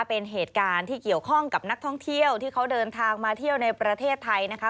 เป็นเหตุการณ์ที่เกี่ยวข้องกับนักท่องเที่ยวที่เขาเดินทางมาเที่ยวในประเทศไทยนะคะ